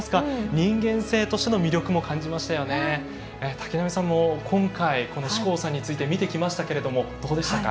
竹浪さんも今回この志功さんについて見てきましたけれどもどうでしたか？